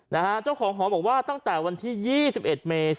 นะฮะเจ้าของหอบอกว่าตั้งแต่วันที่๒๑เมษา